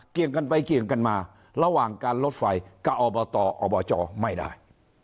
เกี่ยงกันไปเกี่ยงกันมาระหว่างการลดไฟก็อบต่ออบจ่อไม่ได้